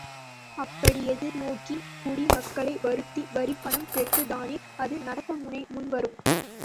அப்படி எதிர்நோக்கின் குடிமக்களை வருத்தி வரிப்பணம் பெற்றுத்தானே அது நடத்த முன்வரும்?